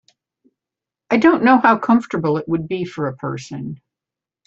I don’t know how comfortable it would be for a person.